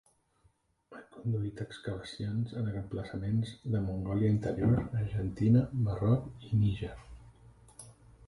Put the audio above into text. Ha conduït excavacions en emplaçaments de Mongòlia interior, Argentina, Marroc i Níger.